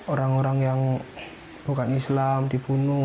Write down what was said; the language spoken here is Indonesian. orang orang yang bukan islam dibunuh